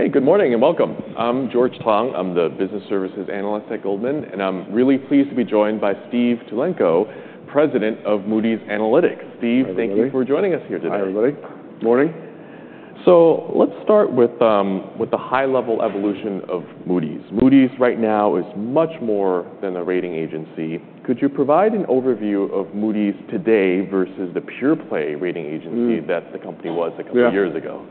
Okay, good morning, and welcome. I'm George Tong. I'm the business services analyst at Goldman, and I'm really pleased to be joined by Steve Tulenko, President of Moody's Analytics. Hi, everybody. Steve, thank you for joining us here today. Hi, everybody. Morning. So let's start with the high-level evolution of Moody's. Moody's right now is much more than a rating agency. Could you provide an overview of Moody's today versus the pure-play rating agency- Mm. that the company was a couple of years ago?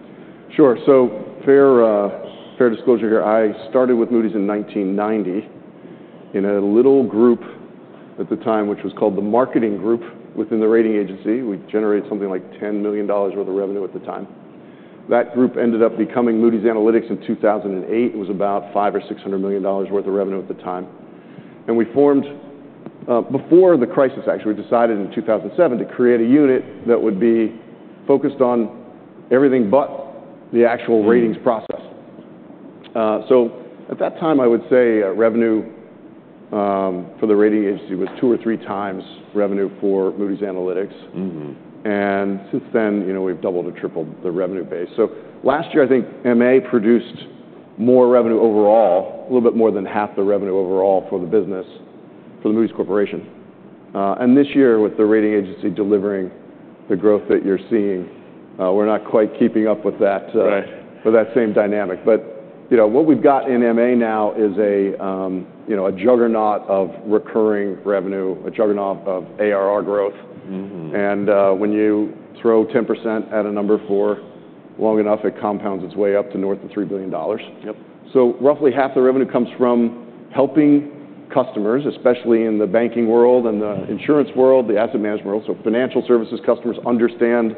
Yeah. Sure. So, fair disclosure here, I started with Moody's in 1990 in a little group at the time, which was called the marketing group within the rating agency. We generated something like $10 million worth of revenue at the time. That group ended up becoming Moody's Analytics in 2008. It was about $500-$600 million worth of revenue at the time. And we formed, before the crisis, actually, we decided in 2007 to create a unit that would be focused on everything but the actual ratings process. So at that time, I would say, revenue for the rating agency was two or three times revenue for Moody's Analytics. Mm-hmm. Since then, you know, we've doubled or tripled the revenue base. Last year, I think MA produced more revenue overall, a little bit more than half the revenue overall for the business, for the Moody's Corporation. And this year, with the rating agency delivering the growth that you're seeing, we're not quite keeping up with that. Right. with that same dynamic. But, you know, what we've got in MA now is a, you know, a juggernaut of recurring revenue, a juggernaut of ARR growth. Mm-hmm. When you throw 10% at a number for long enough, it compounds its way up to north of $3 billion. Yep. Roughly half the revenue comes from helping customers, especially in the banking world and the insurance world, the asset management world, so financial services customers understand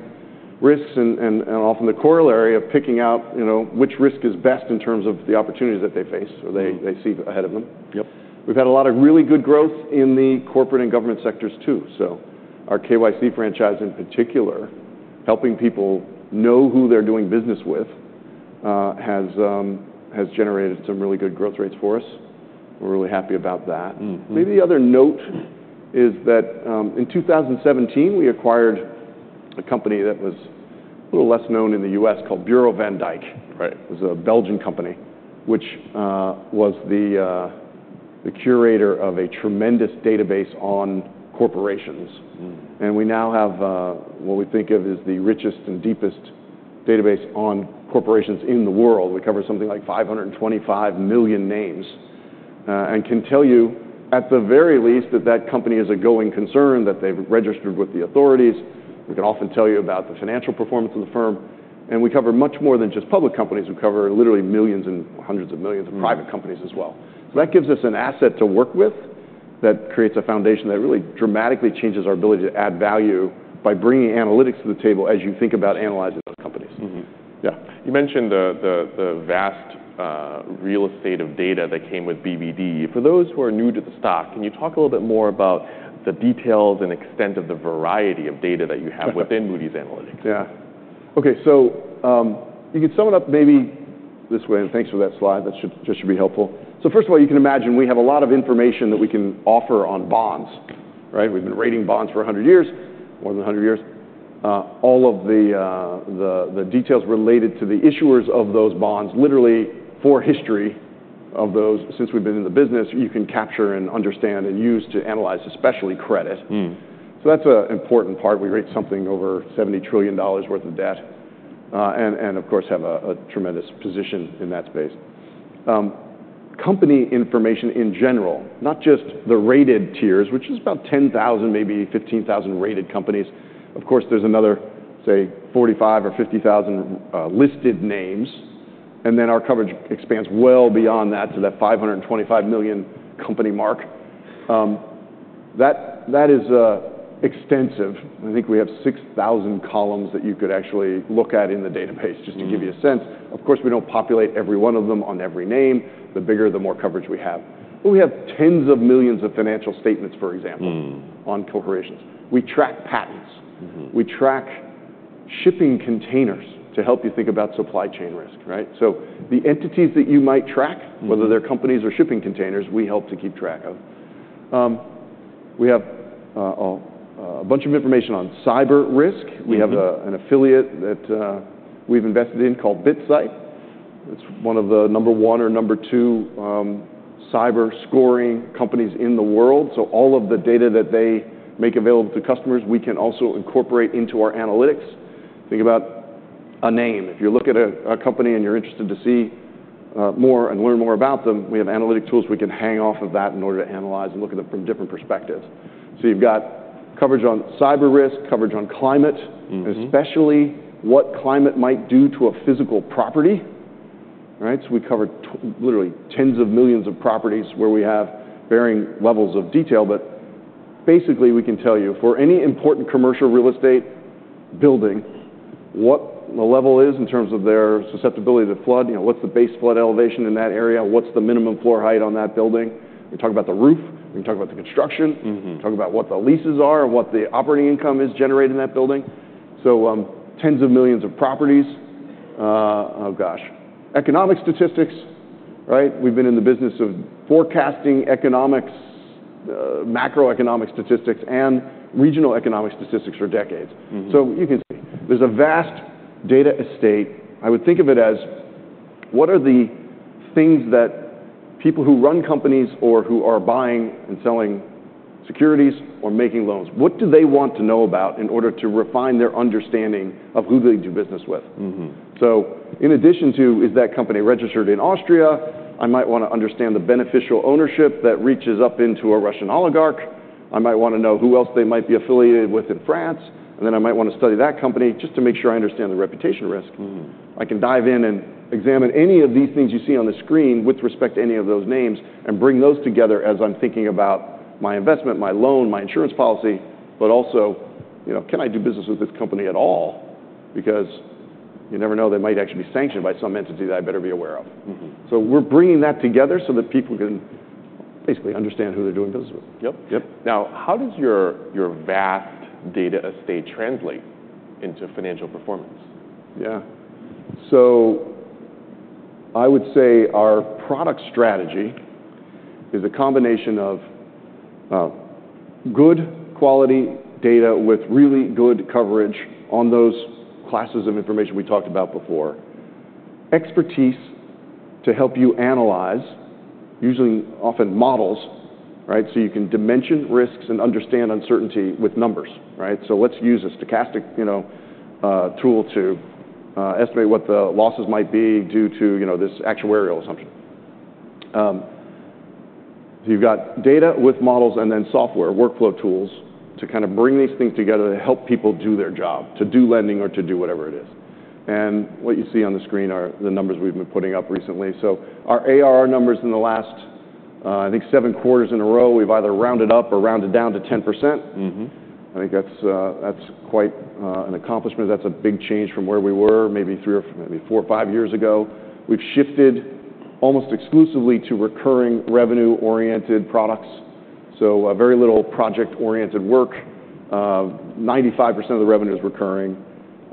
risks and often the corollary of picking out, you know, which risk is best in terms of the opportunities that they face or they see ahead of them. Yep. We've had a lot of really good growth in the corporate and government sectors, too. So our KYC franchise, in particular, helping people know who they're doing business with, has generated some really good growth rates for us. We're really happy about that. Mm-hmm. Maybe the other note is that, in 2017, we acquired a company that was a little less known in the U.S. called Bureau van Dijk. Right. It was a Belgian company, which was the curator of a tremendous database on corporations. Mm. We now have what we think of as the richest and deepest database on corporations in the world. We cover something like five hundred and twenty-five million names, and can tell you, at the very least, that that company is a going concern, that they've registered with the authorities. We can often tell you about the financial performance of the firm, and we cover much more than just public companies. We cover literally millions and hundreds of millions Mm Of private companies as well. So that gives us an asset to work with that creates a foundation that really dramatically changes our ability to add value by bringing analytics to the table as you think about analyzing other companies. Mm-hmm. Yeah. You mentioned the vast real estate of data that came with BVD. For those who are new to the stock, can you talk a little bit more about the details and extent of the variety of data that you have within Moody's Analytics? Yeah. Okay, so you could sum it up maybe this way, and thanks for that slide. That should just be helpful. So first of all, you can imagine we have a lot of information that we can offer on bonds, right? We've been rating bonds for a hundred years, more than a hundred years. All of the details related to the issuers of those bonds, literally for history of those since we've been in the business, you can capture and understand and use to analyze, especially credit. Mm. That's an important part. We rate something over $70 trillion worth of debt, and of course, have a tremendous position in that space. Company information in general, not just the rated tiers, which is about 10,000, maybe 15,000 rated companies. Of course, there's another, say, 45,000 or 50,000 listed names, and then our coverage expands well beyond that to that 525 million company mark. That is extensive. I think we have 6,000 columns that you could actually look at in the database, just to give you a sense. Mm. Of course, we don't populate every one of them on every name. The bigger, the more coverage we have. But we have tens of millions of financial statements, for example. Mm on corporations. We track patents. Mm-hmm. We track shipping containers to help you think about supply chain risk, right? So the entities that you might track- Mm... whether they're companies or shipping containers, we help to keep track of. We have a bunch of information on cyber risk. Mm-hmm. We have an affiliate that we've invested in called BitSight. It's one of the number one or number two cyber scoring companies in the world. So all of the data that they make available to customers, we can also incorporate into our analytics. Think about a name. If you look at a company and you're interested to see more and learn more about them, we have analytic tools we can hang off of that in order to analyze and look at them from different perspectives. So you've got coverage on cyber risk, coverage on climate- Mm-hmm... especially what climate might do to a physical property, right? So we cover literally tens of millions of properties where we have varying levels of detail, but basically, we can tell you, for any important commercial real estate building, what the level is in terms of their susceptibility to flood, you know, what's the base flood elevation in that area, what's the minimum floor height on that building. We talk about the roof. We talk about the construction. Mm-hmm. We talk about what the leases are and what the operating income is generated in that building. So, tens of millions of properties. Economic statistics, right? We've been in the business of forecasting the macroeconomic statistics and regional economic statistics for decades. Mm-hmm. So you can see there's a vast data estate. I would think of it as, what are the things that people who run companies or who are buying and selling securities or making loans, what do they want to know about in order to refine their understanding of who they do business with? Mm-hmm. So, in addition to, is that company registered in Austria? I might wanna understand the beneficial ownership that reaches up into a Russian oligarch. I might wanna know who else they might be affiliated with in France, and then I might wanna study that company just to make sure I understand the reputation risk. Mm. I can dive in and examine any of these things you see on the screen with respect to any of those names and bring those together as I'm thinking about my investment, my loan, my insurance policy. But also, you know, can I do business with this company at all? Because you never know, they might actually be sanctioned by some entity that I better be aware of? Mm-hmm. So we're bringing that together so that people can basically understand who they're doing business with. Yep. Yep. Now, how does your, your vast data estate translate into financial performance? Yeah, so I would say our product strategy is a combination of good quality data with really good coverage on those classes of information we talked about before. Expertise to help you analyze, usually, often models, right? So you can dimension risks and understand uncertainty with numbers, right? So let's use a stochastic, you know, tool to estimate what the losses might be due to, you know, this actuarial assumption. You've got data with models and then software, workflow tools, to kind of bring these things together to help people do their job, to do lending or to do whatever it is, and what you see on the screen are the numbers we've been putting up recently, so our ARR numbers in the last, I think seven quarters in a row, we've either rounded up or rounded down to 10%. Mm-hmm. I think that's, that's quite an accomplishment. That's a big change from where we were maybe three or maybe four or five years ago. We've shifted almost exclusively to recurring revenue-oriented products, so, very little project-oriented work. 95% of the revenue is recurring.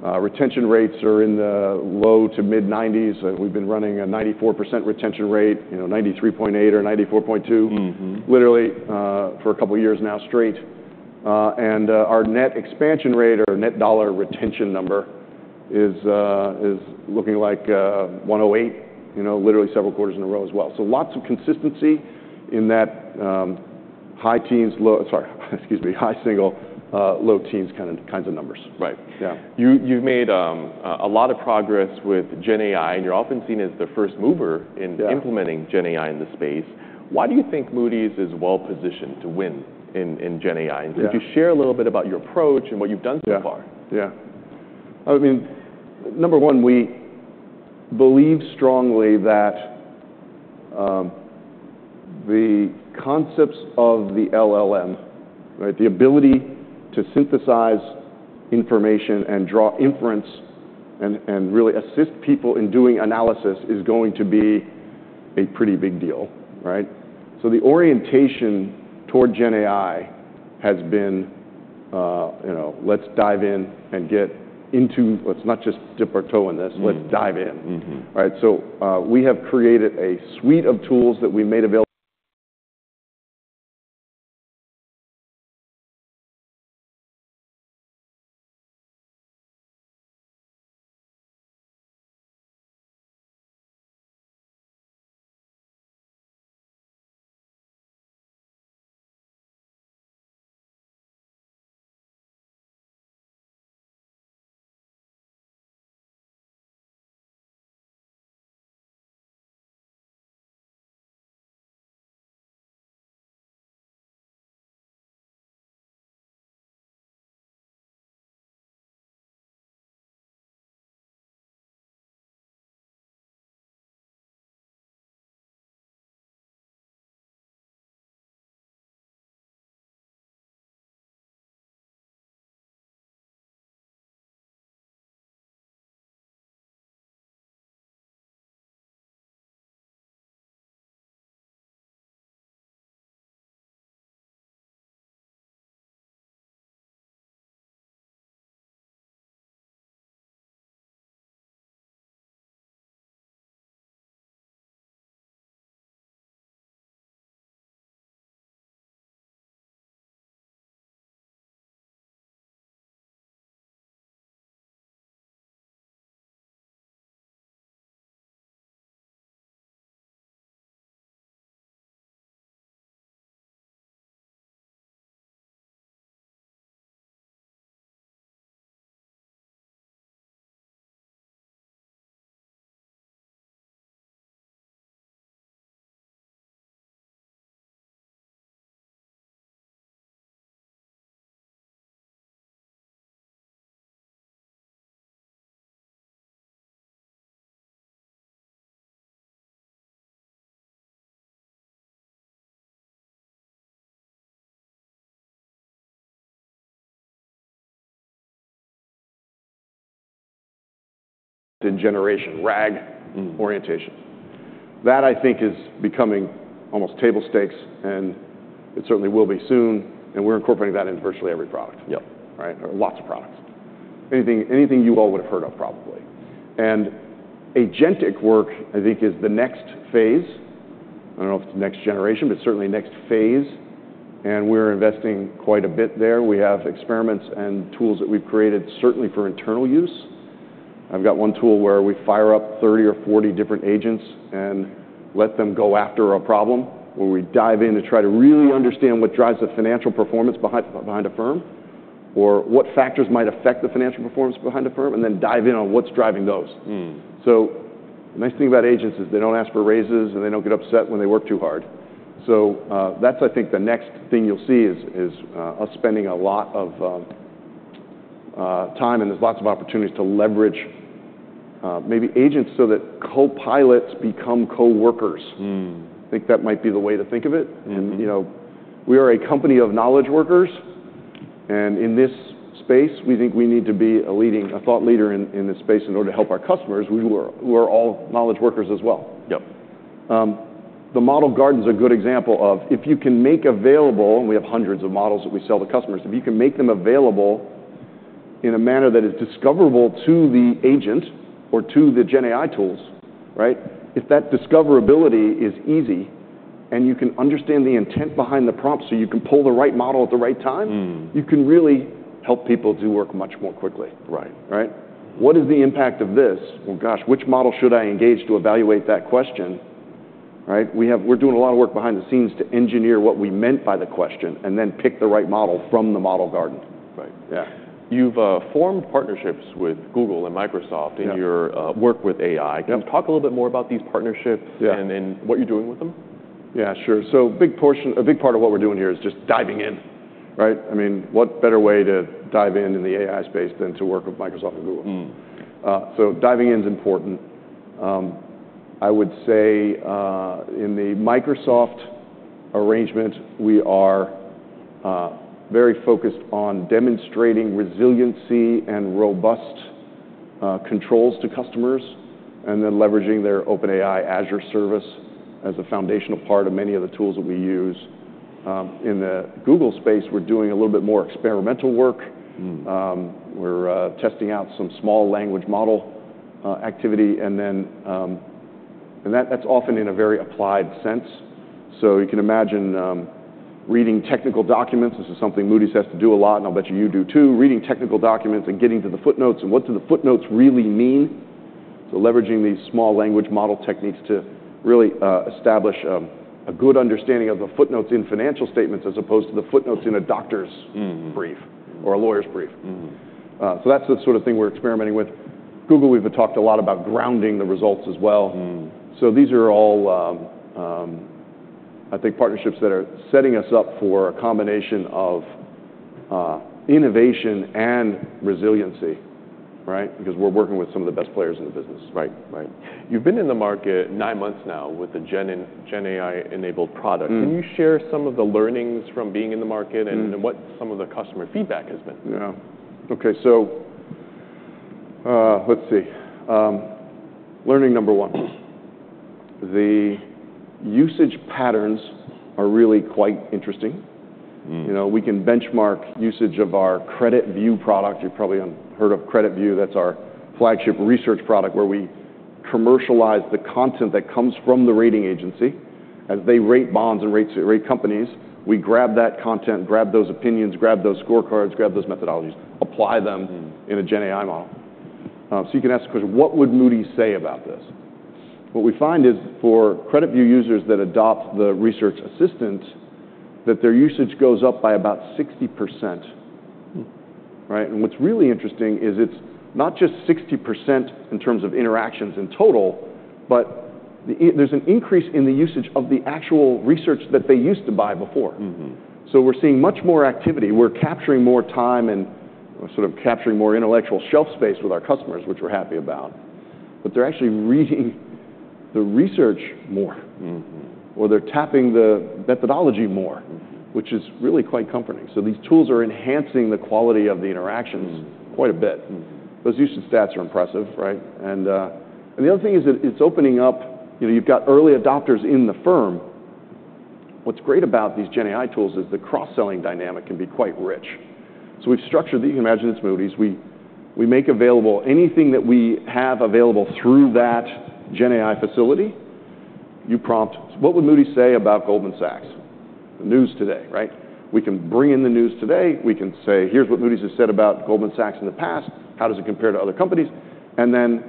Retention rates are in the low- to mid-90s. We've been running a 94% retention rate, you know, 93.8% or 94.2%. Mm-hmm... literally, for a couple of years now straight. And our net expansion rate or net dollar retention number is looking like 108, you know, literally several quarters in a row as well. So lots of consistency in that, high single, low teens kinds of numbers. Right. Yeah. You've made a lot of progress with GenAI, and you're often seen as the first mover. Yeah In implementing GenAI in the space. Why do you think Moody's is well-positioned to win in GenAI? Yeah. Could you share a little bit about your approach and what you've done so far? Yeah. Yeah. I mean, number one, we believe strongly that the concepts of the LLM, right, the ability to synthesize information and draw inference and really assist people in doing analysis is going to be a pretty big deal, right? So the orientation toward GenAI has been, you know, let's dive in and get into- let's not just dip our toe in this- Mm. Let's dive in. Mm-hmm. Right? So, we have created a suite of tools that we made avail in GenAI RAG Mm. Orientation. That, I think, is becoming almost table stakes, and it certainly will be soon, and we're incorporating that in virtually every product. Yep. Right? Lots of products... anything you all would have heard of, probably. Agentic work, I think, is the next phase. I don't know if it's the next generation, but certainly next phase, and we're investing quite a bit there. We have experiments and tools that we've created, certainly for internal use. I've got one tool where we fire up thirty or forty different agents and let them go after a problem, where we dive in to try to really understand what drives the financial performance behind a firm, or what factors might affect the financial performance behind a firm, and then dive in on what's driving those. Mm. So the nice thing about agents is they don't ask for raises, and they don't get upset when they work too hard. So, that's I think the next thing you'll see is us spending a lot of time, and there's lots of opportunities to leverage maybe agents so that copilots become coworkers. I think that might be the way to think of it. And, you know, we are a company of knowledge workers, and in this space, we think we need to be a leading thought leader in this space in order to help our customers, who are all knowledge workers as well. Yep. The Model Garden is a good example of if you can make available, and we have hundreds of models that we sell to customers, if you can make them available in a manner that is discoverable to the agent or to the GenAI tools, right? If that discoverability is easy, and you can understand the intent behind the prompt, so you can pull the right model at the right time. Mm. You can really help people do work much more quickly. Right. Right? What is the impact of this? Well, gosh, which model should I engage to evaluate that question, right? We have. We're doing a lot of work behind the scenes to engineer what we meant by the question, and then pick the right model from the Model Garden. Right. Yeah. You've formed partnerships with Google and Microsoft. Yeah. In your work with AI. Yeah. Can you talk a little bit more about these partnerships. Yeah. And then what you're doing with them? Yeah, sure. So big portion. A big part of what we're doing here is just diving in, right? I mean, what better way to dive in, in the AI space than to work with Microsoft and Google? Diving in is important. I would say, in the Microsoft arrangement, we are very focused on demonstrating resiliency and robust controls to customers, and then leveraging their OpenAI Azure service as a foundational part of many of the tools that we use. In the Google space, we're doing a little bit more experimental work. We're testing out some small language model activity, and then that's often in a very applied sense. You can imagine reading technical documents. This is something Moody's has to do a lot, and I'll bet you, you do, too. Reading technical documents and getting to the footnotes, and what do the footnotes really mean? So leveraging these small language model techniques to really establish a good understanding of the footnotes in financial statements as opposed to the footnotes in a doctor's brief or a lawyer's brief. So that's the sort of thing we're experimenting with. Google, we've talked a lot about grounding the results as well. So these are all, I think partnerships that are setting us up for a combination of innovation and resiliency, right? Because we're working with some of the best players in the business. Right. Right. You've been in the market nine months now with the Gen and GenAI-enabled product. Can you share some of the learnings from being in the market and what some of the customer feedback has been? Yeah. Okay, so, let's see. Learning number one, the usage patterns are really quite interesting. You know, we can benchmark usage of our CreditView product. You've probably heard of CreditView. That's our flagship research product, where we commercialize the content that comes from the rating agency. As they rate bonds and rates, rate companies, we grab that content, grab those opinions, grab those scorecards, grab those methodologies, apply them in a GenAI model. So you can ask the question, what would Moody's say about this? What we find is, for CreditView users that adopt the Research Assistant, that their usage goes up by about 60%. Right? And what's really interesting is it's not just 60% in terms of interactions in total, but there's an increase in the usage of the actual research that they used to buy before. So we're seeing much more activity. We're capturing more time and sort of capturing more intellectual shelf space with our customers, which we're happy about. But they're actually reading the research more or they're tapping the methodology more which is really quite comforting. So these tools are enhancing the quality of the interactions quite a bit. Those usage stats are impressive, right? And, and the other thing is it, it's opening up. You know, you've got early adopters in the firm. What's great about these GenAI tools is the cross-selling dynamic can be quite rich. So we've structured, you can imagine it's Moody's, we, we make available anything that we have available through that GenAI facility, you prompt, "What would Moody's say about Goldman Sachs? The news today," right? We can bring in the news today. We can say, "Here's what Moody's has said about Goldman Sachs in the past. How does it compare to other companies?" And then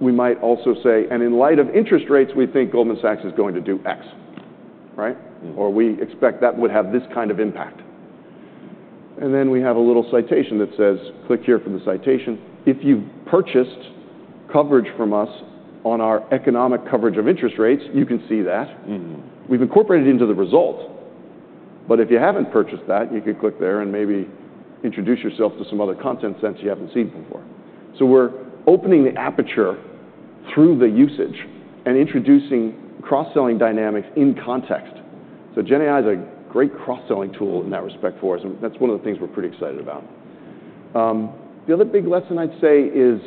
we might also say, "And in light of interest rates, we think Goldman Sachs is going to do X," right? "Or we expect that would have this kind of impact." And then we have a little citation that says, "Click here for the citation." If you purchased coverage from us on our economic coverage of interest rates, you can see that. We've incorporated it into the result. But if you haven't purchased that, you can click there and maybe introduce yourself to some other content sets you haven't seen before. So we're opening the aperture through the usage and introducing cross-selling dynamics in context. So GenAI is a great cross-selling tool in that respect for us, and that's one of the things we're pretty excited about. The other big lesson I'd say is,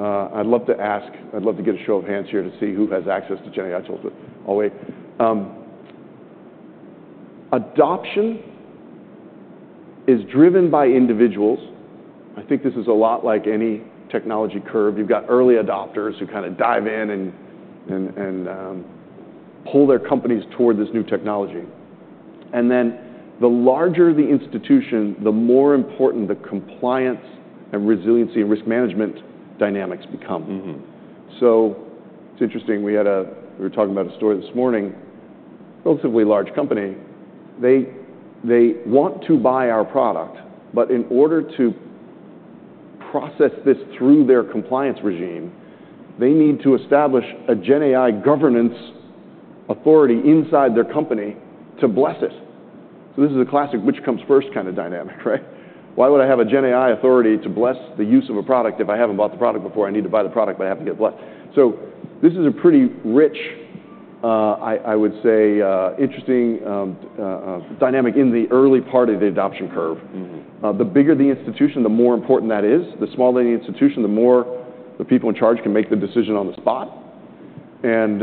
I'd love to get a show of hands here to see who has access to GenAI tools, but I'll wait. Adoption is driven by individuals. I think this is a lot like any technology curve. You've got early adopters who kind of dive in and pull their companies toward this new technology. Then the larger the institution, the more important the compliance and resiliency and risk management dynamics become. Mm-hmm. So it's interesting, we were talking about a story this morning, relatively large company. They want to buy our product, but in order to process this through their compliance regime, they need to establish a GenAI governance authority inside their company to bless it. So this is a classic which comes first kind of dynamic, right? Why would I have a GenAI authority to bless the use of a product if I haven't bought the product before? I need to buy the product, but I have to get blessed. So this is a pretty rich, I would say, interesting dynamic in the early part of the adoption curve. Mm-hmm. The bigger the institution, the more important that is. The smaller the institution, the more the people in charge can make the decision on the spot, and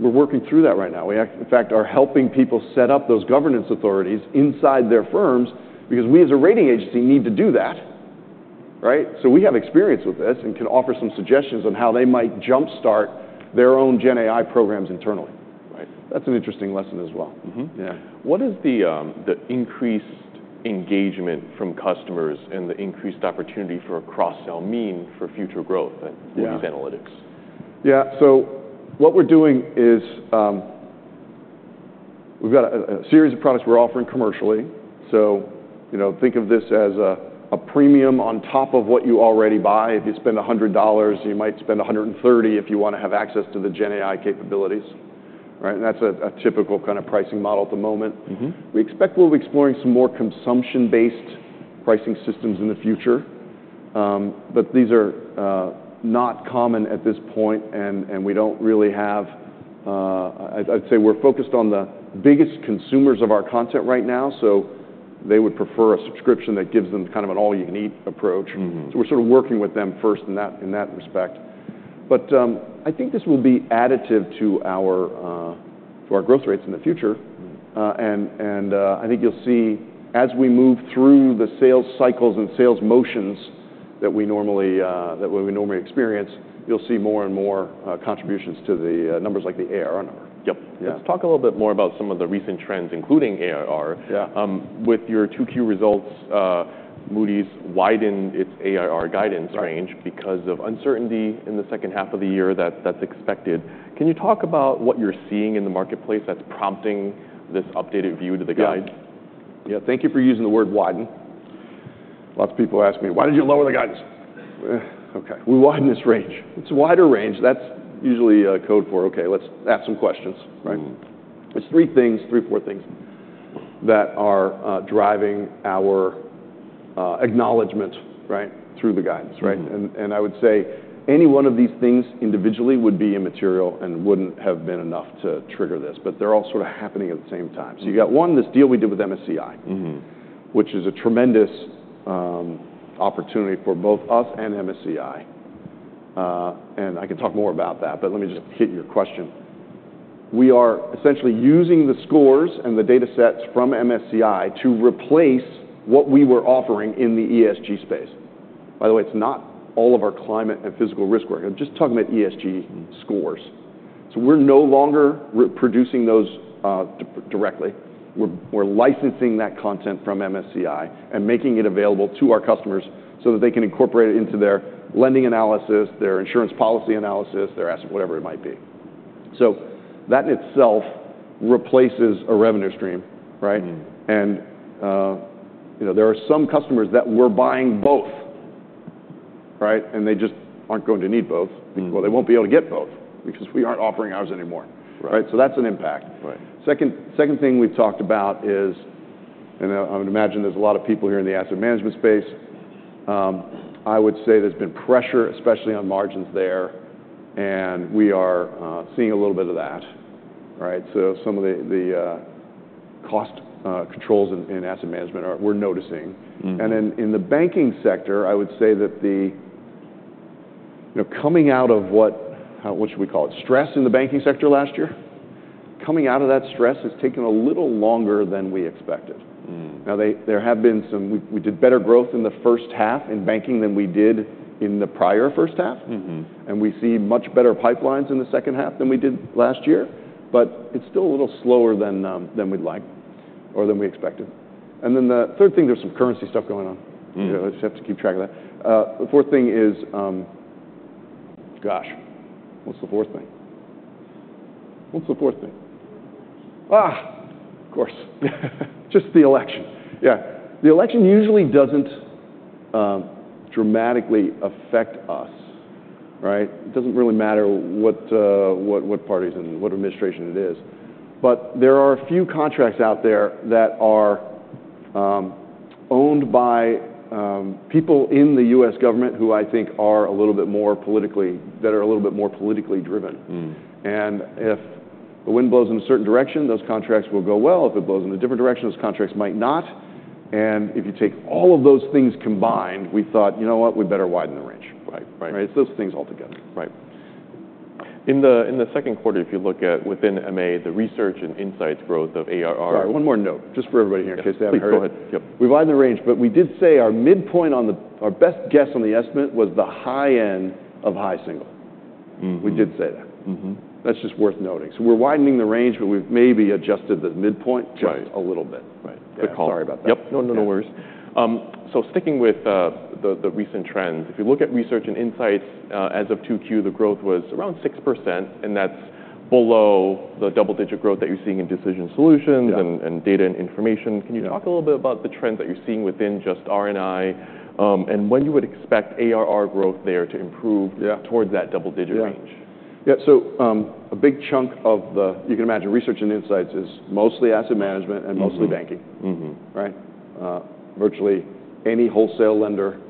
we're working through that right now. We in fact are helping people set up those governance authorities inside their firms because we as a rating agency need to do that, right? So we have experience with this and can offer some suggestions on how they might jumpstart their own GenAI programs internally. Right. That's an interesting lesson as well. Mm-hmm. Yeah. What is the increased engagement from customers and the increased opportunity for a cross-sell mean for future growth and- Yeah -these analytics? Yeah. So what we're doing is, we've got a series of products we're offering commercially. So, you know, think of this as a premium on top of what you already buy. If you spend $100, you might spend $130 if you want to have access to the GenAI capabilities, right? And that's a typical kind of pricing model at the moment. Mm-hmm. We expect we'll be exploring some more consumption-based pricing systems in the future. But these are not common at this point, and we don't really have... I'd say we're focused on the biggest consumers of our content right now, so they would prefer a subscription that gives them kind of an all-you-can-eat approach. Mm-hmm. So we're sort of working with them first in that respect. But, I think this will be additive to our growth rates in the future. Mm. I think you'll see as we move through the sales cycles and sales motions that we normally experience, you'll see more and more contributions to the numbers like the ARR number. Yep. Yeah. Let's talk a little bit more about some of the recent trends, including ARR. Yeah. With your 2Q results, Moody's widened its ARR guidance- Right -range because of uncertainty in the second half of the year that that's expected. Can you talk about what you're seeing in the marketplace that's prompting this updated view to the guidance? Yeah. Yeah, thank you for using the word widen. Lots of people ask me, "Why did you lower the guidance?" Okay, we widened this range. It's a wider range. That's usually code for, "Okay, let's ask some questions," right? Mm. There's three things, three, four things that are driving our acknowledgment, right, through the guidance, right? Mm. And I would say any one of these things individually would be immaterial and wouldn't have been enough to trigger this, but they're all sort of happening at the same time. Mm. So you've got one, this deal we did with MSCI- Mm-hmm... which is a tremendous opportunity for both us and MSCI. And I can talk more about that, but let me just- Yeah... hit your question. We are essentially using the scores and the datasets from MSCI to replace what we were offering in the ESG space. By the way, it's not all of our climate and physical risk work. I'm just talking about ESG scores. Mm. So we're no longer reproducing those directly. We're licensing that content from MSCI and making it available to our customers so that they can incorporate it into their lending analysis, their insurance policy analysis, their asset, whatever it might be. So that in itself replaces a revenue stream, right? Mm. And, you know, there are some customers that were buying both, right? And they just aren't going to need both- Mm... well, they won't be able to get both because we aren't offering ours anymore. Right. That's an impact. Right. Second, second thing we've talked about is, and I would imagine there's a lot of people here in the asset management space. I would say there's been pressure, especially on margins there, and we are seeing a little bit of that, right? So some of the cost controls in asset management are. We're noticing. Mm. And then in the banking sector, I would say that the... You know, coming out of what, what should we call it? Stress in the banking sector last year, coming out of that stress has taken a little longer than we expected. Mm. Now, we did better growth in the first half in banking than we did in the prior first half. Mm-hmm. And we see much better pipelines in the second half than we did last year, but it's still a little slower than we'd like or than we expected. And then the third thing, there's some currency stuff going on. Mm. You just have to keep track of that. The fourth thing is... Gosh, what's the fourth thing? Ah, of course. Just the election. Yeah. The election usually doesn't dramatically affect us, right? It doesn't really matter what parties and what administration it is. But there are a few contracts out there that are owned by people in the U.S. government who I think are a little bit more politically driven. Mm. If the wind blows in a certain direction, those contracts will go well. If it blows in a different direction, those contracts might not... and if you take all of those things combined, we thought, "You know what? We better widen the range. Right. Right. Right? It's those things altogether. Right. In the second quarter, if you look at within MA, the Research and Insights growth of ARR- Sorry, one more note, just for everybody here in case they haven't heard. Please, go ahead. Yep. We widened the range, but we did say our midpoint on our best guess on the estimate was the high end of high single. Mm-hmm. We did say that. Mm-hmm. That's just worth noting. So we're widening the range, but we've maybe adjusted the midpoint- Right... just a little bit. Right. Good call. Sorry about that. Yep. No, no, no worries. So sticking with the recent trends, if you look at Research and Insights, as of 2Q, the growth was around 6%, and that's below the double-digit growth that you're seeing in Decision Solutions- Yeah... and Data and Information. Yeah. Can you talk a little bit about the trend that you're seeing within just R&I, and when you would expect ARR growth there to improve? Yeah... towards that double-digit range? Yeah, so, a big chunk of the... You can imagine, Research and Insights is mostly asset management and mostly banking. Mm-hmm. Mm-hmm. Right? Virtually any wholesale lender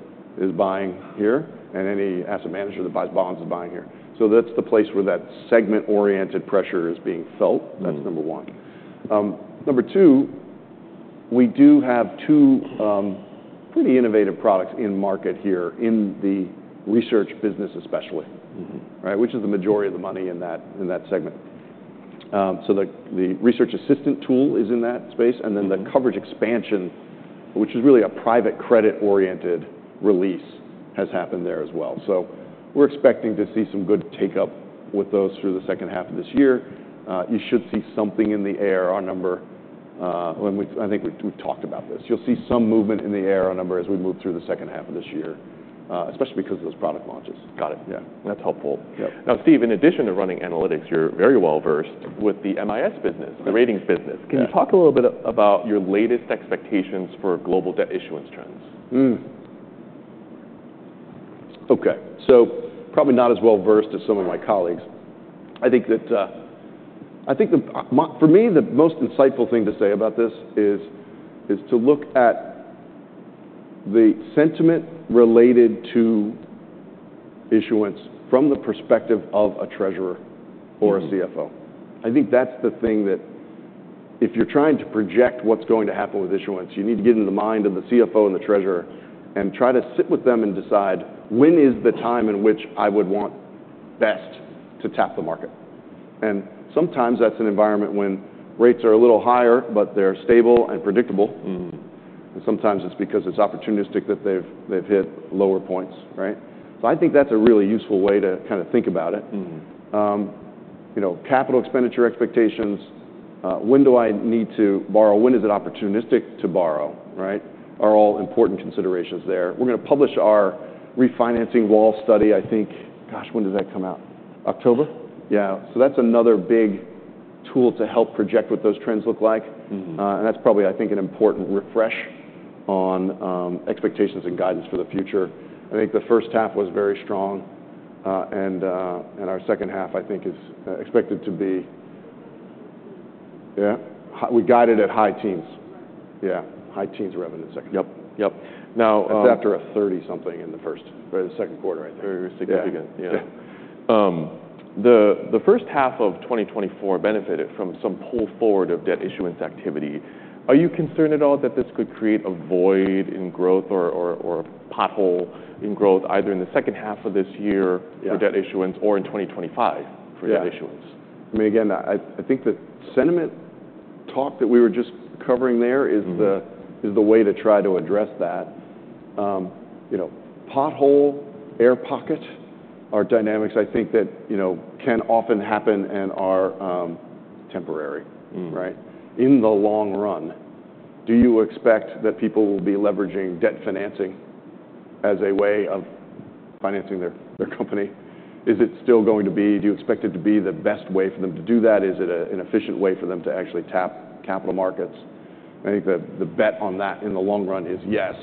is buying here, and any asset manager that buys bonds is buying here. So that's the place where that segment-oriented pressure is being felt. Mm-hmm. That's number one. Number two, we do have two pretty innovative products in market here in the research business especially. Mm-hmm. Right? Which is the majority of the money in that segment. So the Research Assistant tool is in that space, and then- Mm-hmm... the coverage expansion, which is really a private credit-oriented release, has happened there as well. So we're expecting to see some good take-up with those through the second half of this year. You should see something in the ARR number, when I think we've talked about this. You'll see some movement in the ARR number as we move through the second half of this year, especially because of those product launches. Got it. Yeah. That's helpful. Yep. Now, Steve, in addition to running analytics, you're very well-versed with the MIS business. Right... the ratings business. Yeah. Can you talk a little bit about your latest expectations for global debt issuance trends? Hmm. Okay, so probably not as well-versed as some of my colleagues. I think that I think the most insightful thing to say about this is to look at the sentiment related to issuance from the perspective of a treasurer or a CFO. Mm-hmm. I think that's the thing that if you're trying to project what's going to happen with issuance, you need to get in the mind of the CFO and the treasurer and try to sit with them and decide, "When is the time in which I would want best to tap the market?", and sometimes that's an environment when rates are a little higher, but they're stable and predictable. Mm-hmm. Sometimes it's because it's opportunistic that they've hit lower points, right? So I think that's a really useful way to kind of think about it. Mm-hmm. You know, capital expenditure expectations, when do I need to borrow, when is it opportunistic to borrow, right, are all important considerations there. We're gonna publish our Refinancing Wall study, I think. Gosh, when does that come out? October? Yeah. So that's another big tool to help project what those trends look like. Mm-hmm. That's probably, I think, an important refresh on expectations and guidance for the future. I think the first half was very strong. Our second half, I think, is expected to be... Yeah? We got it at high teens. Right. Yeah, high teens revenue in the second. Yep, yep. Now, That's after a thirty-something in the first or the second quarter, I think. Very significant. Yeah. Yeah. The first half of twenty twenty-four benefited from some pull forward of debt issuance activity. Are you concerned at all that this could create a void in growth or a pothole in growth, either in the second half of this year- Yeah... for debt issuance or in 2025 for debt issuance? Yeah. I mean, again, I think the sentiment talk that we were just covering there- Mm-hmm... is the way to try to address that. You know, pothole, air pocket, are dynamics I think that, you know, can often happen and are temporary. Mm. Right? In the long run, do you expect that people will be leveraging debt financing as a way of financing their, their company? Is it still going to be... Do you expect it to be the best way for them to do that? Is it a, an efficient way for them to actually tap capital markets? I think the, the bet on that in the long run is yes.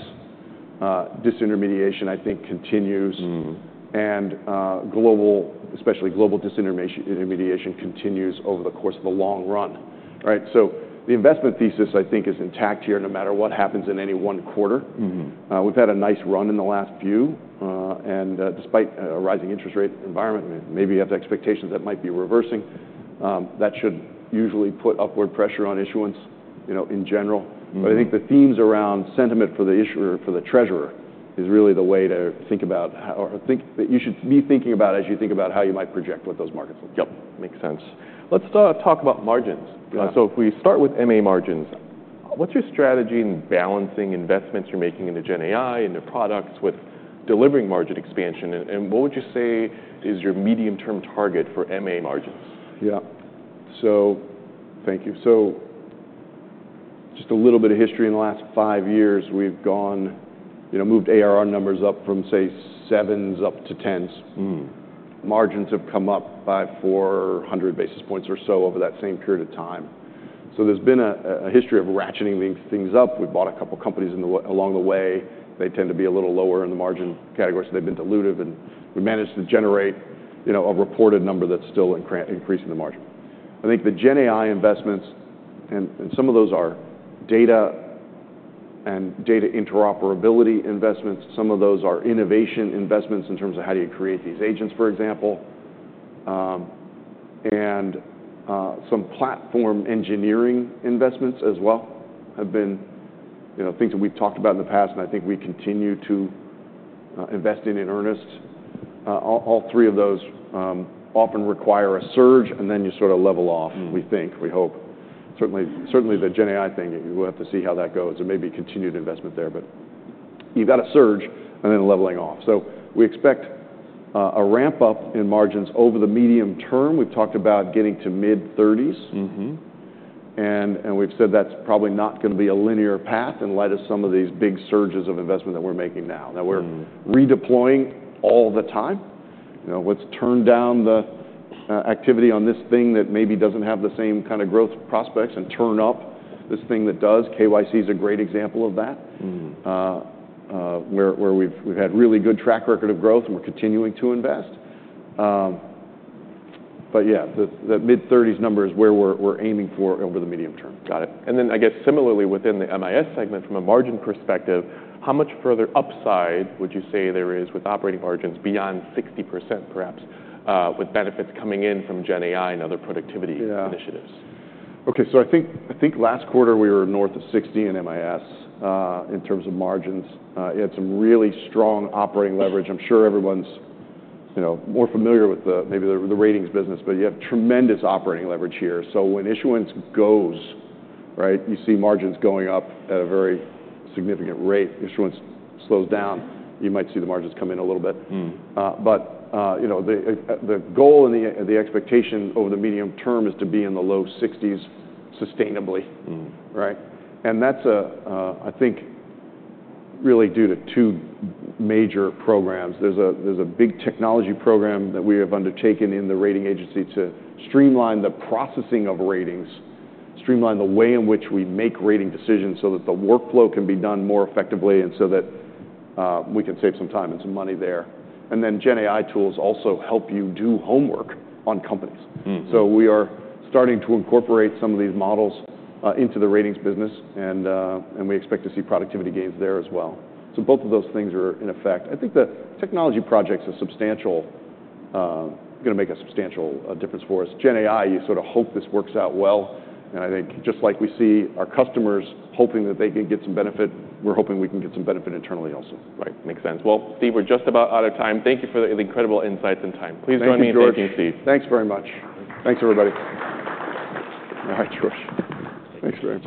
Disintermediation, I think, continues- Mm... and, global, especially global disintermediation continues over the course of the long run, right? So the investment thesis, I think, is intact here, no matter what happens in any one quarter. Mm-hmm. We've had a nice run in the last few, and, despite a rising interest rate environment, maybe you have expectations that might be reversing, that should usually put upward pressure on issuance, you know, in general. Mm-hmm. But I think the themes around sentiment for the issuer, for the treasurer, is really the way to think about how that you should be thinking about as you think about how you might project what those markets look. Yep, makes sense. Let's talk about margins. Yeah. So if we start with MA margins, what's your strategy in balancing investments you're making into GenAI, into products, with delivering margin expansion, and, and what would you say is your medium-term target for MA margins? Yeah. So thank you. So just a little bit of history, in the last five years, we've gone, you know, moved ARR numbers up from, say, sevens up to tens. Hmm. Margins have come up by 400 basis points or so over that same period of time. So there's been a history of ratcheting these things up. We've bought a couple companies along the way. They tend to be a little lower in the margin category, so they've been dilutive, and we managed to generate, you know, a reported number that's still increasing the margin. I think the GenAI investments, and some of those are data and data interoperability investments, some of those are innovation investments in terms of how do you create these agents, for example, some platform engineering investments as well have been, you know, things that we've talked about in the past, and I think we continue to invest in earnest. All three of those often require a surge, and then you sort of level off- Mm. We think, we hope. Certainly, certainly the GenAI thing, we'll have to see how that goes. There may be continued investment there, but you've got a surge and then a leveling off. So we expect a ramp-up in margins over the medium term. We've talked about getting to mid-thirties. Mm-hmm. We've said that's probably not gonna be a linear path in light of some of these big surges of investment that we're making now. Mm. Now, we're redeploying all the time. You know, let's turn down the activity on this thing that maybe doesn't have the same kind of growth prospects and turn up this thing that does. KYC is a great example of that. Mm. where we've had really good track record of growth, and we're continuing to invest, but yeah, the mid-thirties number is where we're aiming for over the medium term. Got it, and then I guess similarly within the MIS segment, from a margin perspective, how much further upside would you say there is with operating margins beyond 60%, perhaps, with benefits coming in from GenAI and other productivity- Yeah -initiatives? Okay. So I think last quarter we were north of 60% in MIS, in terms of margins. You had some really strong operating leverage. I'm sure everyone's, you know, more familiar with maybe the ratings business, but you have tremendous operating leverage here. So when issuance goes, right, you see margins going up at a very significant rate. Issuance slows down, you might see the margins come in a little bit. Mm. But you know, the goal and the expectation over the medium term is to be in the low sixties sustainably. Mm. Right? And that's, I think really due to two major programs. There's a big technology program that we have undertaken in the rating agency to streamline the processing of ratings, streamline the way in which we make rating decisions so that the workflow can be done more effectively, and so that we can save some time and some money there. And then GenAI tools also help you do homework on companies. Mm. So we are starting to incorporate some of these models into the ratings business, and we expect to see productivity gains there as well. Both of those things are in effect. I think the technology projects are substantial gonna make a substantial difference for us. GenAI, you sort of hope this works out well, and I think just like we see our customers hoping that they can get some benefit, we're hoping we can get some benefit internally also. Right. Makes sense. Well, Steve, we're just about out of time. Thank you for the incredible insights and time. Thank you, George. Please join me in thanking Steve. Thanks very much. Thanks, everybody. All right, George, thanks very much.